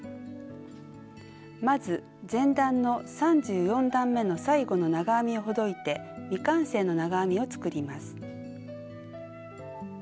まず前段の３４段めの最後の長編みをほどいて未完成の長編みを作ります。